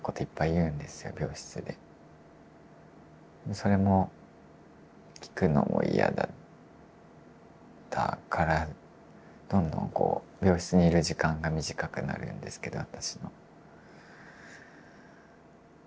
それも聞くのも嫌だったからどんどん病室にいる時間が短くなるんですけど私の。